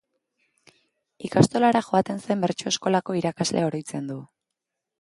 Ikastolara joaten zen bertso eskolako irakaslea oroitzen du.